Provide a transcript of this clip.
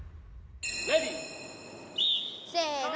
レディー！せの！